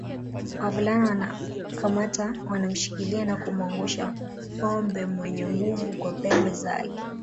Wavulana wanakamata wanamshikilia na kumwangusha ngombe mwenye nguvu kwa pembe zake